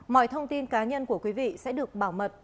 mọi thông tin cá nhân của quý vị sẽ được bảo mật